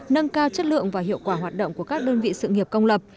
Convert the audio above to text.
nâng cao chất lượng và hiệu quả hoạt động của các đơn vị sự nghiệp công lập